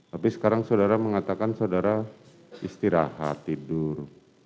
tapi sekarang saudara mengatakan saudara istirahat tidur